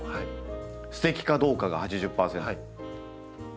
「ステキかどうか」が８０％。